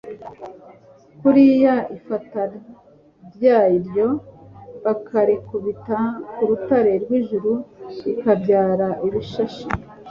kurirya, igufa ryaryo bakarikubita ku rutare rw'ijuru rikabyara ibishashi